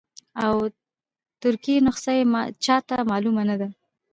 او ترکي نسخه یې چاته معلومه نه ده.